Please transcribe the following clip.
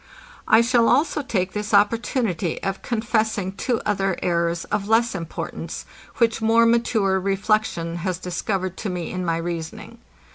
I shall also take this opportunity of confessing two other errors of less importance, which more mature reflection has discovered to me in my reasoning.